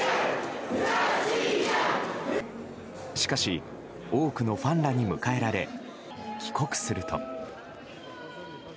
しかし多くのファンらに迎えられ帰国すると。